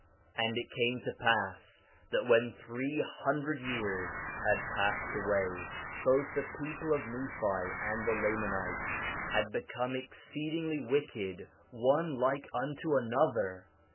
4 Nephi 1:45 And it came to pass that when three hundred years had passed away, both the people of Nephi and the Lamanites had become exceedingly wicked one like unto another.